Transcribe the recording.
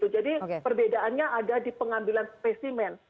jadi perbedaannya ada di pengambilan spesimen